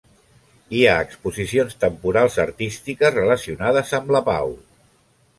Hi ha exposicions temporals artístiques relacionades amb la pau.